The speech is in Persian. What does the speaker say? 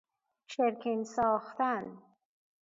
چرکین ساختن